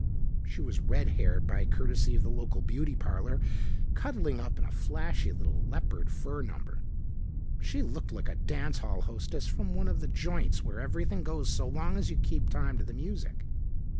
She was red haired by courtesy of the local beauty parlor, cuddling up in a flashy little leopard fur number. She looked like a dance hall hostess from one of those joints where everything goes so long as you keep time to the music.